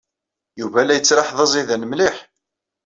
Yuba la yettraḥ d aẓidan mliḥ.